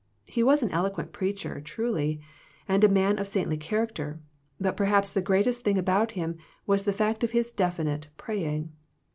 He was an eloquent preacher, truly, and a man of saintly character, but perhaps the greatest thing about him was the fact of his definite praying.